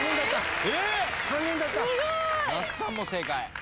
那須さんも正解。